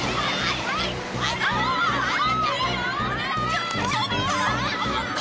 ちょちょっと！